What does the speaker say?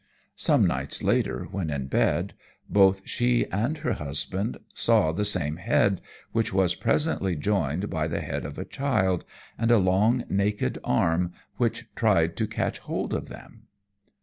Some nights later, when in bed, both she and her husband saw the same head, which was presently joined by the head of a child, and a long, naked arm, which tried to catch hold of them.